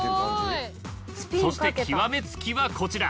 そして極め付きはこちら。